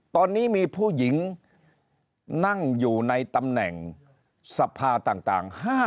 ตอนนี้มีผู้หญิงนั่งอยู่ในตำแหน่งสภาต่าง